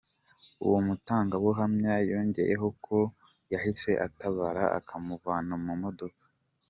Uwo mutangabuhamya yongeyeho ko yahise atabara akamuvana mu modoka, kuko yari yiyubitse, yamukomerekeje bikomeye.